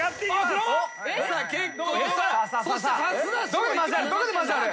どこで交ざる？